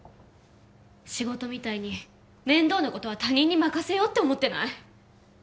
仕事みたいに面倒なことは他人に任せようって思ってない？